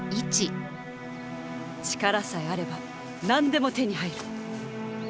力さえあれば何でも手に入る！